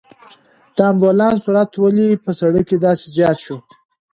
د امبولانس سرعت ولې په سړک کې داسې زیات شو؟